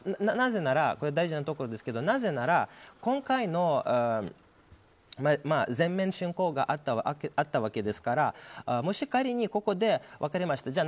なぜならこれは大事なところですが今回の全面侵攻があったわけですからもし仮に、ここで分かりました